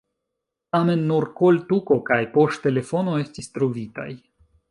Tamen nur koltuko kaj poŝtelefono estis trovitaj.